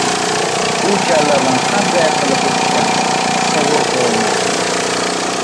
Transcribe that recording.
Bu kalla bilan qanday kilib urushgansiz, tasavvur qilolmayman!